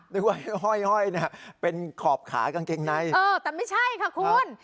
ด้วยห้อยเนี่ยเป็นขอบขากางเกงในเออแต่ไม่ใช่ค่ะคุณ